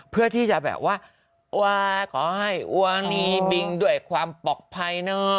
เพื่อที่จะแบบว่าขอให้อวนีบิงด้วยความปลอดภัยเนอะ